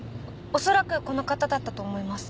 恐らくこの方だったと思います。